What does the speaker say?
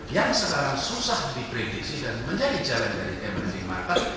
yang sekarang susah diprediksi dan menjadi jalan dari emerging market